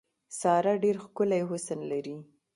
ساره ډېر ښکلی حسن لري.